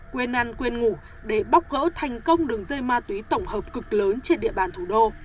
quên ăn quên ngủ để bóc gỡ thành công đường dây ma túy tổng hợp cực lớn trên địa bàn thủ đô